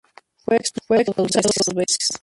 Fue expulsado dos veces.